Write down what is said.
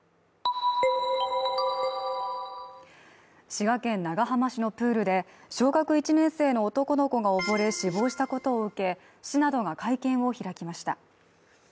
滋賀県長浜市のプールで小学１年生の男の子が溺れ死亡したことを受け市などが会見を開きました